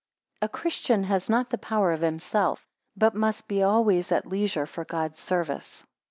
3 A Christian has not the power of himself; but must be always at leisure for God's service.